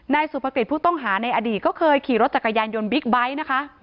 สุภกิจผู้ต้องหาในอดีตก็เคยขี่รถจักรยานยนต์บิ๊กไบท์นะคะ